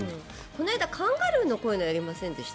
この間、カンガルーのこういうのやりませんでした？